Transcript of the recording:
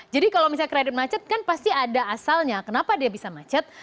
jadi kalau misalnya kredit macet kan pasti ada asalnya kenapa dia bisa macet